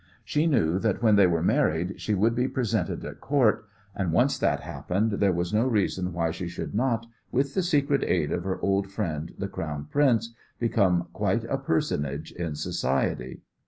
She knew that when they were married she would be presented at Court, and once that happened there was no reason why she should not, with the secret aid of her old friend, the Crown Prince, become quite a personage in society.